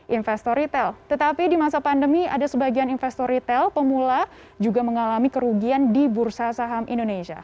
investor retail tetapi di masa pandemi ada sebagian investor retail pemula juga mengalami kerugian di bursa saham indonesia